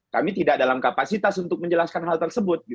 kami tidak dalam kapasitas untuk menjelaskan hal tersebut